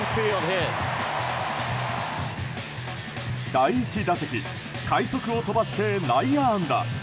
第１打席快足を飛ばして内野安打。